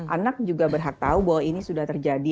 anak juga berhak tahu bahwa ini sudah terjadi